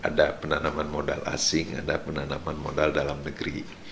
ada penanaman modal asing ada penanaman modal dalam negeri